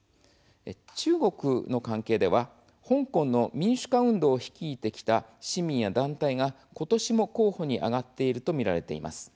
中国の関係では香港の民主化運動を率いてきた市民や団体がことしも候補に挙がっているとみられています。